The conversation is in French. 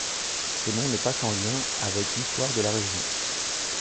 Ce nom n'est pas sans lien avec l'histoire de la région.